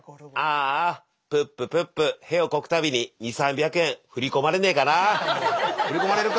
ああプッププップ屁をこく度に２００３００円振り込まれねえかなあ。